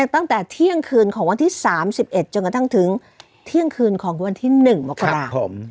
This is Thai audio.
ตั้งแต่เที่ยงคืนของวันที่๓๑จนกระทั่งถึงเที่ยงคืนของวันที่๑มกราคม